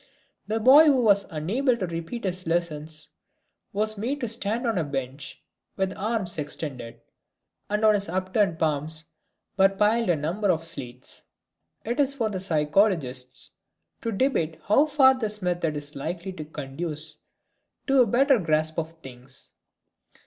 The boy who was unable to repeat his lessons was made to stand on a bench with arms extended, and on his upturned palms were piled a number of slates. It is for psychologists to debate how far this method is likely to conduce to a better grasp of things.